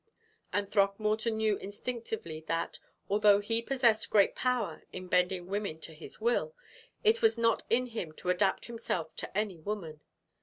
And Throckmorton knew instinctively that, although he possessed great power in bending women to his will, it was not in him to adapt himself to any woman.